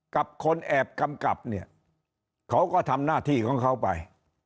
กับคนแอบกำกับเนี่ยเขาก็ทำหน้าที่ของเขาไป